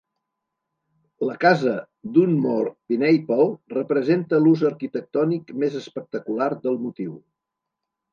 La casa Dunmore Pineapple representa l'ús arquitectònic més espectacular del motiu.